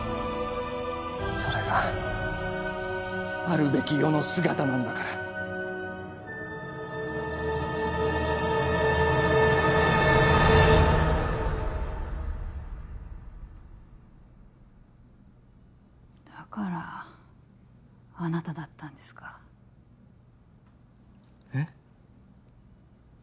それがあるべき世の姿なんだからだからあなただったんですかえっ？